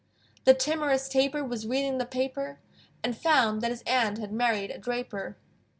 The timorous Tapir Was reading the paper, And found that his aunt Had married a draper.